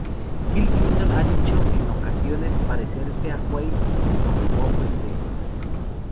Bill Clinton ha dicho en ocasiones parecerse a Huey por lo gordo y feo.